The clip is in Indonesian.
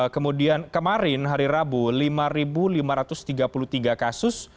kemudian kemarin hari rabu lima lima ratus tiga puluh tiga kasus